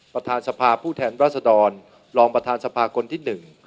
ประธานสภาผู้แทนรัศดรรองประธานสภาคนที่๑